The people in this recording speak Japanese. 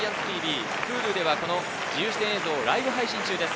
ＧＩＡＮＴＳＴＶ、Ｈｕｌｕではこの自由視点映像をライブ配信中です。